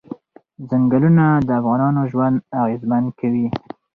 ځنګلونه د افغانانو ژوند اغېزمن کوي.